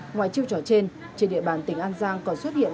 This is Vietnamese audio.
ngoài chiêu trò trên trên địa bàn tỉnh an giang còn xuất hiện